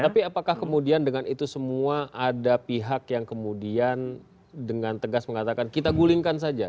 tapi apakah kemudian dengan itu semua ada pihak yang kemudian dengan tegas mengatakan kita gulingkan saja